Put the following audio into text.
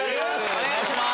お願いします。